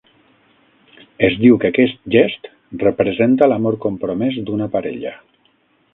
Es diu que aquest gest representa l'amor compromès d'una parella.